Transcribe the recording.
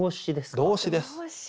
動詞です。